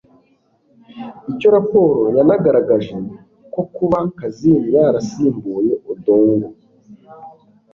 iyo raporo yanagaragaje ko kuba kazini yarasimbuye odongo